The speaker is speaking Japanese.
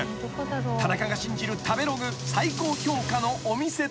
［田中が信じる食べログ最高評価のお店とは］